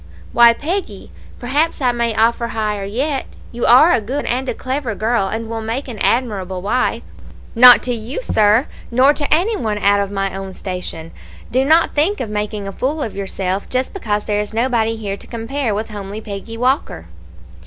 "'Why, Peggy, perhaps I may offer higher yet; you are a good and a clever girl, and will make an admirable wife.' "'Not to you, sir; nor to any one out of my own station. Do not think of making a fool of yourself, just because there is nobody here to compare with homely Peggy Walker.'